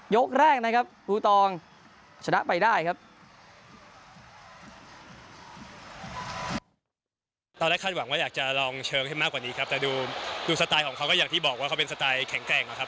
ยกแรกนะครับภูตอง